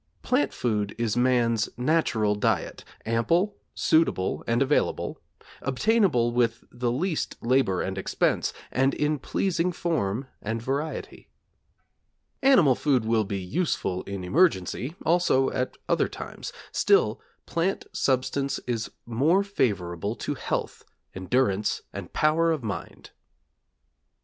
Plant food is man's natural diet; ample, suitable, and available; obtainable with least labor and expense, and in pleasing form and variety. Animal food will be useful in emergency, also at other times; still, plant substance is more favorable to health, endurance, and power of mind.